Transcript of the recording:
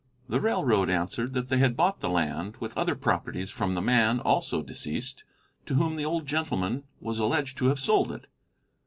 The railroad answered that they had bought the land with other properties from the man, also deceased, to whom the old gentleman was alleged to have sold it.